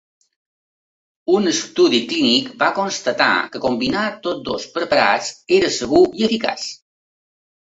Un estudi clínic va constatar que combinar tots dos preparats era segur i eficaç.